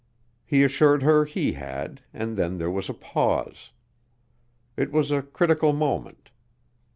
He assured her he had, and then there was a pause. It was a critical moment.